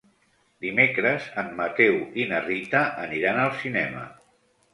Dimecres en Mateu i na Rita aniran al cinema.